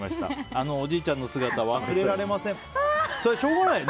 あのおじいちゃんの姿は忘れられません。